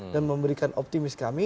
dan memberikan optimis kami